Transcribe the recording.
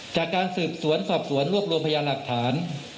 จากการสืบสวนสอบสวนรวบรวมพยานหลักฐาน